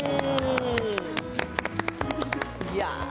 いや。